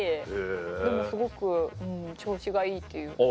でもすごくうん調子がいいっていう。